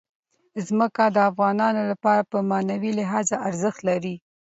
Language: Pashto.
ځمکه د افغانانو لپاره په معنوي لحاظ ارزښت لري.